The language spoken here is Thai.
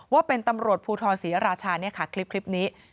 ว่าเป็นตำรวจภูทรศรีรชาคลิปนี้